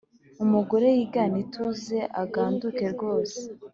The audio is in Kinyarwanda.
Umugore yigane ituza aganduke rwose,